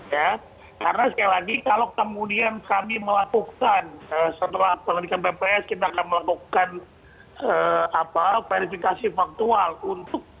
ya karena sekali lagi kalau kemudian kami melakukan setelah penelitian bps kita akan melakukan verifikasi faktual untuk